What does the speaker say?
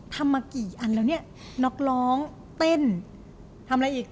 ทำมากี่อันแล้วเนี่ยนักร้องเต้นทำอะไรอีก